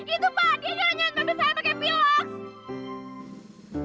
itu pak dia nyaret nyaret mobil saya pake piloks